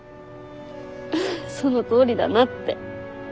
そのとおりだなって。